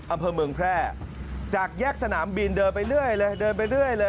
อำเภอเมืองแพร่จากแยกสนามบินเดินไปเรื่อยเลย